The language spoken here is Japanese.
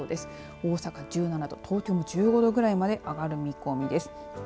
大阪１７度東京も１５度くらいまで上がる見込みです。